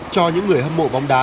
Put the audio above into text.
cho những người hâm mộ bóng đá